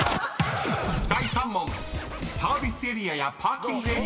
［第３問］